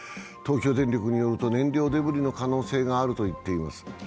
東京電力によると、燃料デブリの可能性があると言っています。